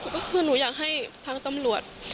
ก็คือหนูอยากให้ทางตำรวจ